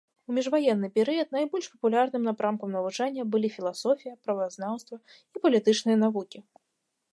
У міжваенны перыяд найбольш папулярнымі напрамкамі навучання былі філасофія, правазнаўства і палітычныя навукі.